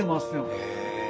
へえ。